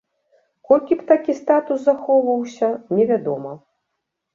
Колькі б такі статус захоўваўся, невядома.